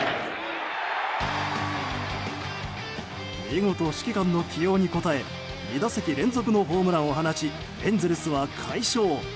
見事、指揮官の起用に応え２打席連続のホームランを放ちエンゼルスは快勝。